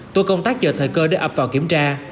tổ công tác chờ thời cơ để ập vào kiểm tra